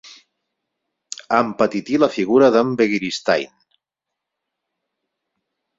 Empetití la figura d'en Begiristain.